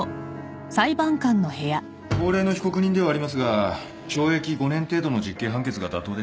高齢の被告人ではありますが懲役５年程度の実刑判決が妥当でしょうか？